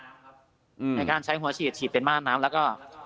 ในการใช้หัวฉีดฉีดเป็นม่านน้ำแล้วก็